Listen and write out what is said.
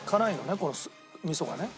この味噌がね。